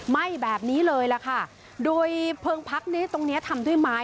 ไหม้แบบนี้เลยล่ะค่ะโดยเพลิงพักนี้ตรงเนี้ยทำด้วยไม้